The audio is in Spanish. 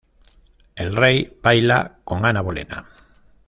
El rey baila con Ana Bolena.